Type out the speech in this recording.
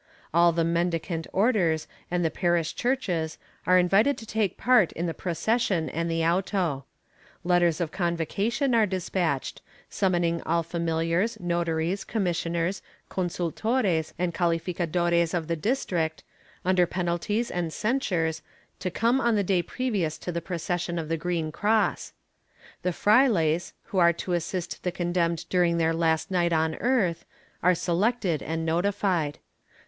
All the Mendicant Orders and the parish churches are invited to take part in the procession and the auto. Letters of convocation are despatched, summoning all familiars, notaries, commissioners, consultores and calificadores of the district, under penalties and censures, to come on the day ' Archive de Alcaic, Hacienda, Leg. 473. Chap. V] PREPARATIONS 216 previous to the procession of the Green Cross/ The frailes, who are to assist the condemned during their last night on earth, are selected and notified.